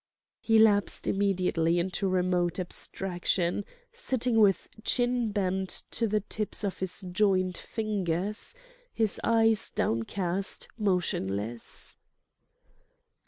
He lapsed immediately into remote abstraction, sitting with chin bent to the tips of his joined fingers, his eyes downcast, motionless.